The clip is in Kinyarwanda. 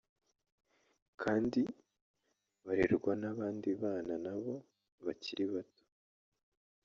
kandi barerwa n’abandi bana nabo bakiri bato